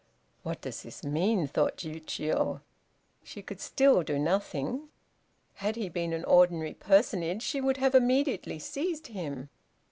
"What does this mean?" thought Chiûjiô. She could still do nothing. Had he been an ordinary personage she would have immediately seized him.